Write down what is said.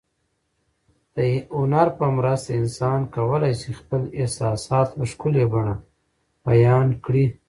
د هنر په مرسته انسان کولای شي خپل احساسات په ښکلي بڼه بیان کړي.